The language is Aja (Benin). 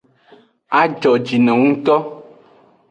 A jojinungto.